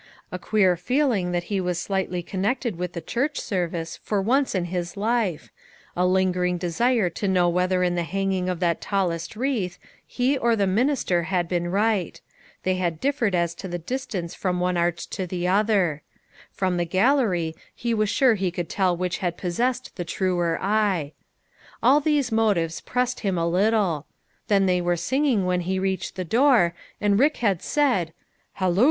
A queer feeling that he was slightly connected with the church service for once in his life ; a lingering desire to know whether in the hanging of that tallest wreath, he or the minister had been right ; they had differed as to the distance from one arch to the other; 250 LITTLE FISHEES: AND THEIR NETS. from the gallery he was sure he could tell which had possessed the truer eye. All these motives pressed him a little. Then they were singing when he reached the door, and Rick had said, " Hallo